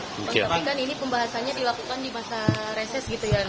tapi kan ini pembahasannya dilakukan di masa reses gitu ya